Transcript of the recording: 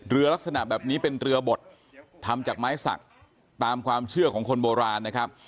ลักษณะแบบนี้เป็นเรือบดทำจากไม้สักตามความเชื่อของคนโบราณนะครับ